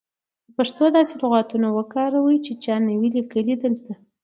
د پښتو داسې لغاتونه وکاروئ سی چا نه وې لیکلي دلته.